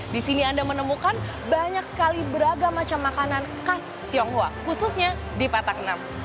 di sini anda menemukan banyak sekali beragam macam makanan khas tionghoa khususnya di petak enam